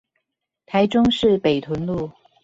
台中市北屯路